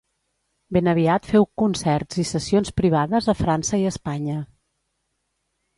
Ben aviat feu concerts i sessions privades a França i Espanya.